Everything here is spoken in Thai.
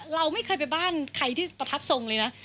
เราไม่เคยไปบ้านใครที่ประทับทรงเลยนะ